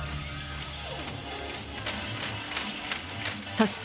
そして。